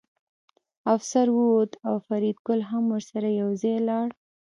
افسر ووت او فریدګل هم ورسره یوځای لاړ